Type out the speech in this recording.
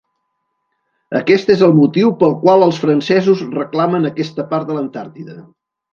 Aquest és el motiu pel qual els francesos reclamen aquesta part de l'Antàrtida.